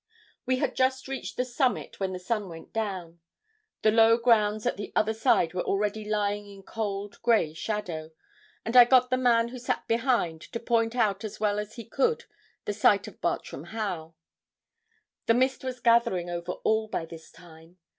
We had just reached the summit when the sun went down. The low grounds at the other side were already lying in cold grey shadow, and I got the man who sat behind to point out as well as he could the site of Bartram Haugh. But mist was gathering over all by this time.